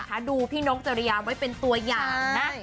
ดูพี่นกจริยามไว้เป็นตัวอย่างนะ